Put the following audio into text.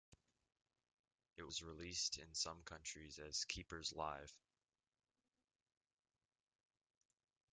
It was released in some countries as Keepers Live.